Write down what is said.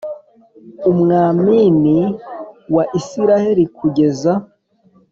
umwamin wa Isirayeli kugeza